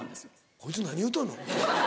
こいつ何言うとんの？